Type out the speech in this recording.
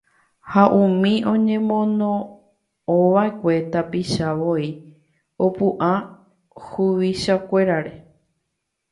ha umi oñemono'õva'ekue tapicha voi opu'ã huvichakuérare